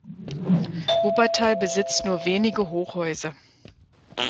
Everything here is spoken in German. Wuppertal besitzt nur wenige Hochhäuser.